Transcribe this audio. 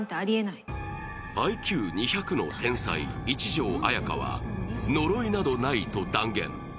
ＩＱ２００の天才、一条文華は呪いなどないと断言。